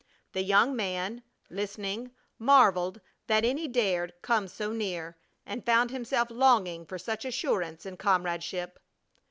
The young man, listening, marveled that any dared come so near, and found himself longing for such assurance and comradeship.